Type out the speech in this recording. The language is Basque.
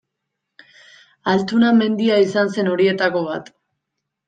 Altuna mendia izan zen horietako bat.